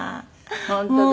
本当だ。